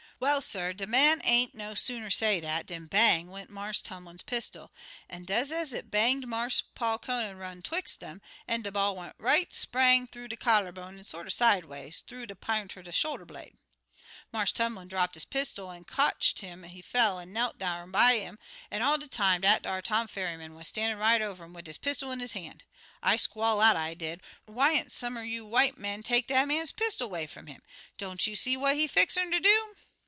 "Well, suh, de man ain't no sooner say dat dan bang! went Marse Tumlin's pistol, an' des ez it banged Marse Paul Conant run 'twix' um, an' de ball went right spang th'oo de collar bone an' sorter sideways th'oo de pint er de shoulder blade. Marse Tumlin drapt his pistol an' cotch 'im ez he fell an' knelt down dar by 'im, an' all de time dat ar Tom Ferryman wuz stan'in' right over um wid his pistol in his han'. I squall out, I did, 'Whyn't some er you white men take dat man pistol 'way fum 'im? Don't you see what he fixin' ter do?'